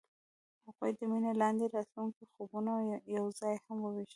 هغوی د مینه لاندې د راتلونکي خوبونه یوځای هم وویشل.